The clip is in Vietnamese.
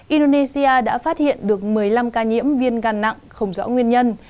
indonesia đã phát hiện được một mươi năm ca nhiễm viêm gan nặng không rõ nguyên nhân